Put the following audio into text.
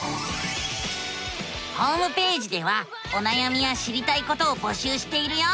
ホームページではおなやみや知りたいことをぼしゅうしているよ。